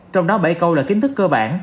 trong đó bảy câu là kiến thức cơ bản